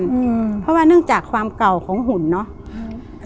อืมเพราะว่าเนื่องจากความเก่าของหุ่นเนอะอืม